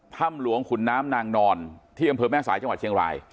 ถ้ำหลวงขุนน้ำนางนอนที่อำเภอแม่สายจังหวัดเชียงราย